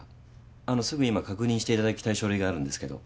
あのすぐ今確認していただきたい書類があるんですけど。